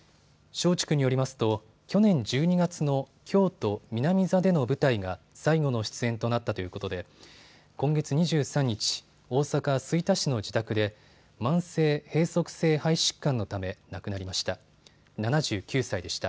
松竹によりますと去年１２月の京都・南座での舞台が最後の出演となったということで今月２３日、大阪吹田市の自宅で慢性閉塞性肺疾患のため亡くなりました。